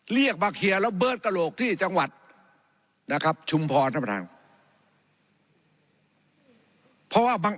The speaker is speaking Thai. เรียกมาเคลียร์แล้วเบิร์ตกระโหลกที่จังหวัดนะครับ